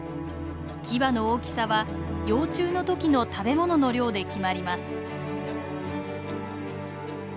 キバの大きさは幼虫の時の食べ物の量で決まります。